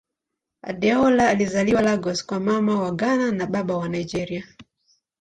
Adeola alizaliwa Lagos kwa Mama wa Ghana na Baba wa Nigeria.